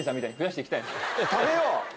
食べよう！